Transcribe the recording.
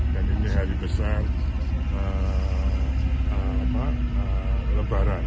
dan ini hari besar lebaran